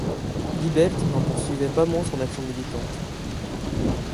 Libelt n'en poursuivait pas moins son action militante.